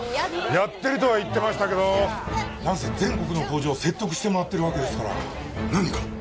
やってるとは言ってましたけどなんせ全国の工場を説得して回ってるわけですから何か？